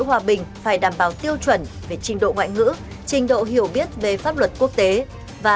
hòa bình phải đảm bảo tiêu chuẩn về trình độ ngoại ngữ trình độ hiểu biết về pháp luật quốc tế và